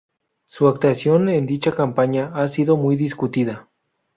Su actuación en dicha campaña ha sido muy discutida.